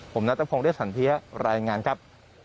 ผมนัทธพงษ์เล็กสันเทียแรงงานครับ